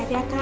tia tia kang